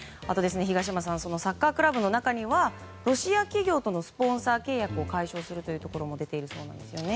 あと、東山さんサッカークラブの中にはロシア企業とのスポンサー契約を解消するところも出ているそうです。